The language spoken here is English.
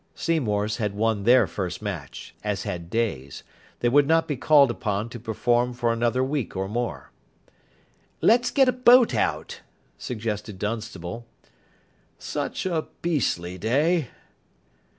Seymour's had won their first match, as had Day's. They would not be called upon to perform for another week or more. "Let's get a boat out," suggested Dunstable. "Such a beastly day."